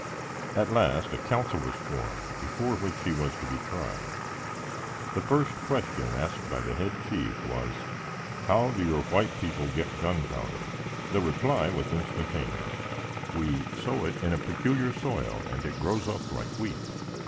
At last, a council was formed, before which he was to be tried. The first question asked by the head chief was, "How do your white people get gunpowder?" The reply was instantaneous: "We sow it in a peculiar soil and it grows up like wheat."